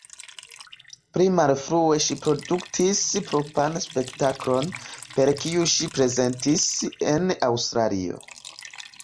Pli malfrue ŝi produktis propran spektaklon, per kiu ŝi prezentis en Aŭstralio.